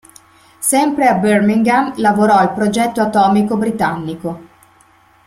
Sempre a Birmingham lavorò al progetto atomico britannico.